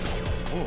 うん！